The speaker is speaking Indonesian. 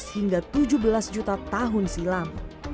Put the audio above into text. lima belas hingga tujuh belas juta tahun silam